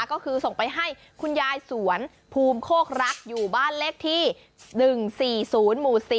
ก็คือส่งไปให้คุณยายสวนภูมิโคกรักอยู่บ้านเลขที่๑๔๐หมู่๔